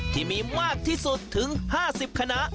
ที่มีมากที่สุดถึง๕๐คณะ